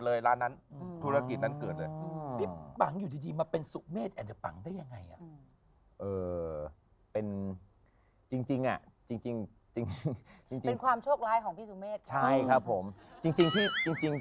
พฤษฐพิจิกพฤษฐพิจิกพฤษฐพิจิกพฤษฐพิจิกพฤษฐพิจิกพฤษฐพิจิกพฤษฐพิจิก